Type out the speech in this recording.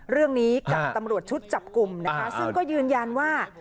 เรื่องนี้กับตำรวจชุดจับกลุ่มนะคะซึ่งก็ยืนยันว่า